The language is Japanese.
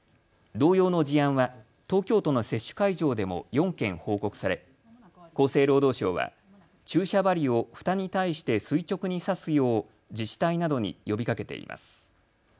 同様の事案は東京都の接種会場でも４件報告され、厚生労働省は注射針をふたに対して垂直に刺すよう自治体などに呼びかけています。